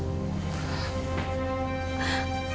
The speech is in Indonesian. kamu gak tau kan